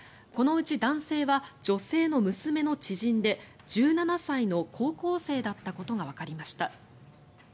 このうち男性は女性の娘の知人で１７歳の高校生だったことがわかりました。